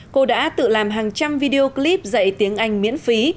cô đã tự làm hàng trăm video clip dạy tiếng anh miễn phí